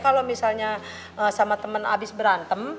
kalau misalnya sama temen abis berantem